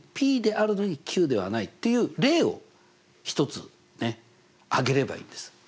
「ｐであるのにｑではない」っていう例を一つ挙げればいいんです。